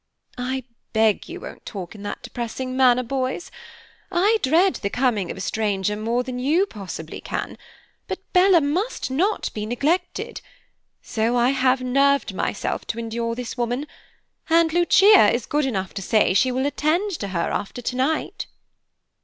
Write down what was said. "I beg you won't talk in that depressing manner, boys. I dread the coming of a stranger more than you possibly can, but Bella must not be neglected; so I have nerved myself to endure this woman, and Lucia is good enough to say she will attend to her after tonight."